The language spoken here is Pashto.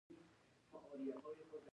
دښتې د زرغونتیا یوه مهمه نښه ده.